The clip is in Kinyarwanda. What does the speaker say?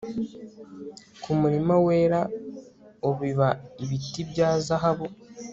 ku murima wera ubiba ibiti bya zahabu